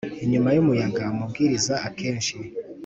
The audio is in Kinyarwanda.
inyuma y umuyaga Umubwiriza Akenshi